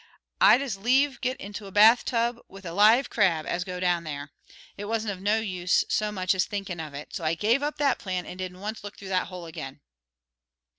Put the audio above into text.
I'd as lieve get into a bathtub with a live crab as to go down there. It wasn't of no use even so much as thinkin' of it, so I gave up that plan and didn't once look through that hole again."